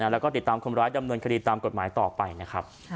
แล้วก็ติดตามคนร้ายดำเนินคดีตามกฎหมายต่อไปนะครับ